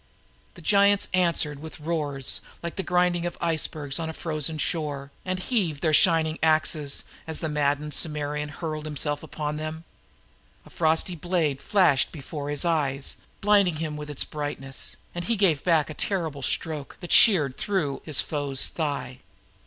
The giants answered with roars like the grinding of ice bergs on a frozen shore, and heaved up their shining axes as the maddened Akbitanan hurled himself upon them. A frosty blade flashed before his eyes, blinding him with its brightness, and he gave back a terrible stroke that sheared through his foe's thigh.